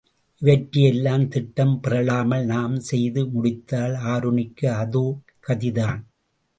இவற்றையெல்லாம் திட்டம் பிறழாமல் நாம் செய்து முடித்தால், ஆருணிக்கு அதோ கதிதான்.